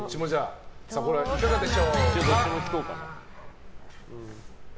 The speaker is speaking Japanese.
いかがでしょうか。